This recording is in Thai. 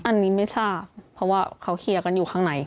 อันนี้ไม่ทราบเพราะว่าเขาเคลียร์กันอยู่ข้างใน